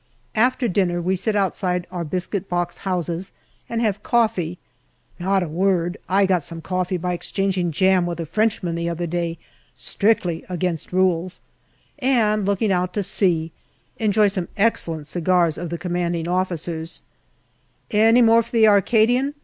After dinner we sit outside our biscuit box houses and have coffee (not a word ! I got some coffee by exchanging jam with a Frenchman the other day strictly against rules), and looking out to sea, enjoy some excellent cigars of the C.O.'s. " Any more for the Arcadian